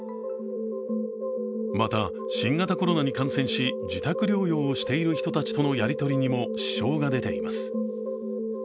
また、新型コロナに感染し自宅療養をしている人たちとのやりとりにも、支障が出ています。